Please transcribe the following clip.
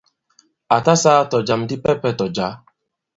À ta sāā tɔ̀jam dipɛpɛ tɔ̀ jǎ.